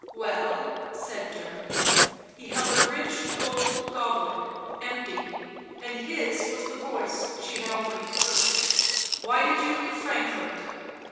" Well," said Dirk ; he held a rich gold goblet, empty, and his was the voice she had already heard. " Why did you leave Frankfort?"